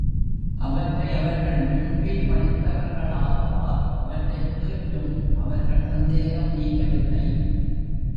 அவற்றை அவர்கள் முன்பே படித்தவர்களாதலால் அவற்றைக் கேட்டும் அவர்கள் சந்தேகம் நீங்கவில்லை.